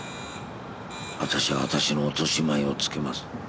私は私の落とし前をつけます。